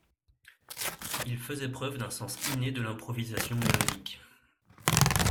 Il faisait preuve d'un sens inné de l'improvisation mélodique.